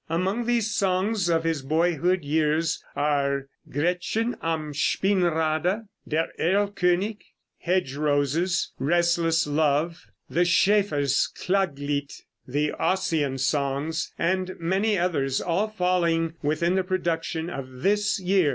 Among these songs of his boyhood years are "Gretchen am Spinnrade," "Der Erl König," "Hedge Roses," "Restless Love," the "Schaefer's Klaglied," the "Ossian" songs, and many others, all falling within the production of this year.